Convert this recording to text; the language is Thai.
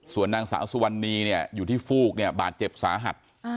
ส่วนนางสาวสุวรรณีเนี่ยอยู่ที่ฟูกเนี่ยบาดเจ็บสาหัส